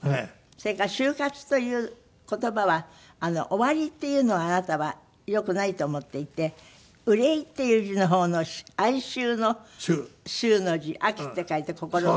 それから「終活」という言葉は「終わり」っていうのはあなたは良くないと思っていて「愁い」っていう字の方の「哀愁」の「愁」の字「秋」って書いて「心」って書く。